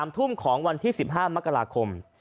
ทุ่มของวันที่๑๕มกราคม